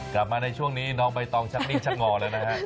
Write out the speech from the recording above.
กลับมาในช่วงนี้น้องใบตองชักนิ่งชักงอแล้วนะฮะ